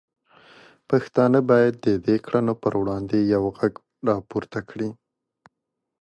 پښتانه باید د دې کړنو پر وړاندې یو غږ راپورته کړي.